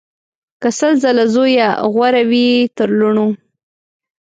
که سل ځله زویه غوره وي تر لوڼو